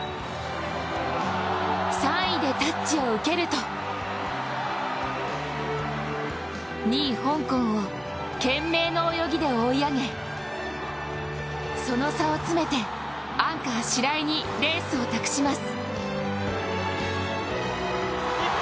３位でタッチを受けると２位、香港を懸命の泳ぎで追い上げその差を詰めて、アンカー白井にレースを託します。